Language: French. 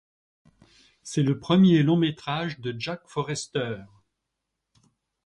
C'est le premier long métrage de Jack Forrester.